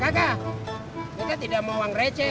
kita tidak mau uang receh